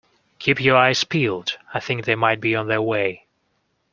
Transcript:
Keep your eyes peeled! I think they might be on their way.